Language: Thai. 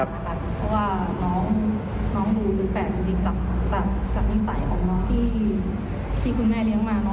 เพราะว่าน้องดูแปลกดีจากนิสัยของน้องที่คุณแม่เลี้ยงมา